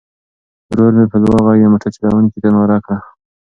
ورور مې په لوړ غږ د موټر چلوونکي ته ناره کړه.